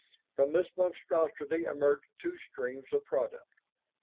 From this monstrosity emerged two streams of product.